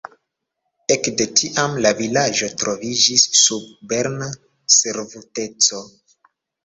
Ek de tiam la vilaĝo troviĝis sub berna servuteco.